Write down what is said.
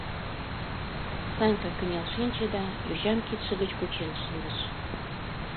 — Санька кынел шинче да йочам кидше гыч кучен шындыш.